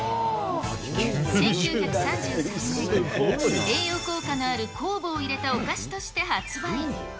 １９３３年、栄養効果のある酵母を入れたお菓子として発売。